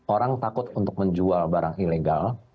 orang takut untuk menjual barang ilegal